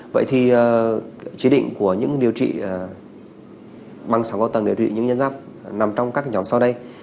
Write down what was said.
vậy thì chế định của những điều trị bằng sóng cao tầng để điều trị những nhân giáp nằm trong các nhóm sau đây